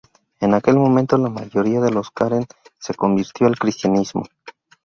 En aquel momento la mayoría de los karen se convirtió al cristianismo.